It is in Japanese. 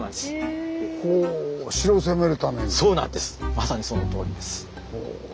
まさにそのとおりです。